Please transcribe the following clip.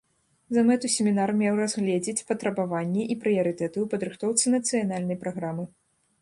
За мэту семінар меў разгледзець патрабаванні і прыярытэты ў падрыхтоўцы нацыянальнай праграмы.